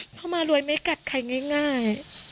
เพราะมารวยไม่กัดใครง่าย